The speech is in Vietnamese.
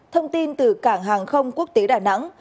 thông tin từ cảng hàng không quốc tế đà nẵng